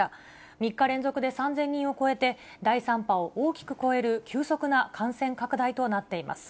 ３日連続で３０００人を超えて、第３波を大きく超える急速な感染拡大となっています。